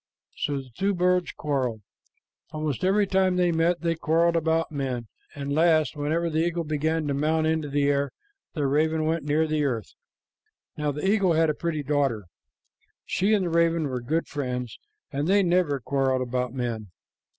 So the two birds quarreled. Almost every time they met, they quarreled about men, and at last, whenever the eagle began to mount into the air, the raven went near the earth. Now the eagle had a pretty daughter. She and the raven were good friends, and they never quarreled about men.